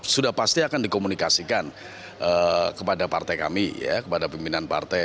sudah pasti akan dikomunikasikan kepada partai kami kepada pimpinan partai